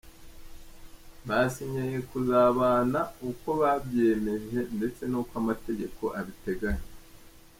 Basinyiye kuzabana uko babyiyemeje ndetse n'uko amategeko abiteganya.